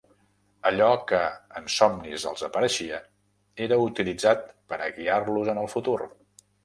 Allò que en somnis els apareixia, era utilitzat per a guiar-los en el futur.